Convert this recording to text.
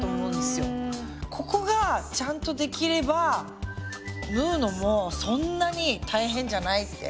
ここがちゃんとできれば縫うのもそんなに大変じゃないって